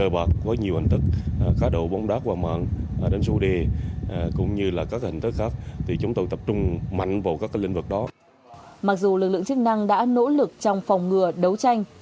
mặc dù lực lượng chức năng đã nỗ lực trong phòng ngừa đấu tranh